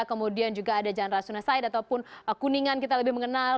kemudian juga ada jalan rasuna said ataupun kuningan kita lebih mengenal